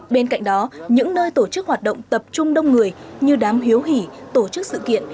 bên cạnh đó những nơi tổ chức hoạt động tập trung đông người như đám hiếu hỉ tổ chức sự kiện